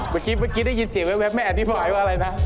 เมื่อกี้เมื่อกี้ได้ยินเสียงแว๊บไม่อธิบายว่าอะไรนะ